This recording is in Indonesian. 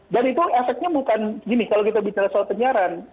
dan itu efeknya bukan gini kalau kita bicara soal penyiaran